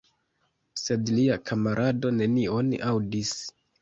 Sed lia kamarado nenion aŭdis.